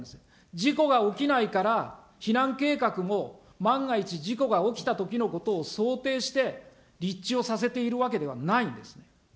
事故が起きないから、避難計画も万が一事故が起きたときのことを想定して、立地をさせているわけではないんですね。